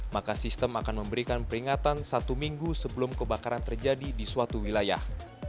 maka sistem akan memberikan peringatan satu minggu sebelum kebakaran terjadi di suatu wilayah